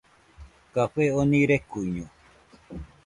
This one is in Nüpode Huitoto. Café oni rekuiño